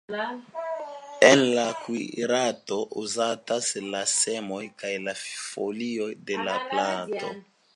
En la kuirarto uzatas la semoj kaj la folioj de la planto.